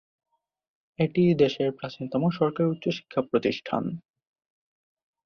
এটিই দেশটির প্রাচীনতম সরকারি উচ্চশিক্ষা প্রতিষ্ঠান।